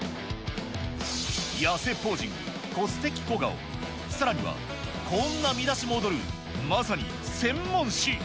痩せポージング、コス的小顔、さらには、こんな見出しも躍る、まさに専門誌。